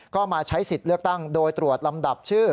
ก็มาใช้สิทธิ์เลือกตั้งโดยตรวจลำดับชื่อ